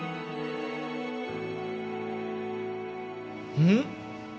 うん？